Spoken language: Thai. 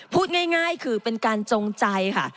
พูดง่ายคือเป็นการจงใจค่ะ